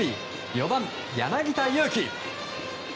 ４番、柳田悠岐。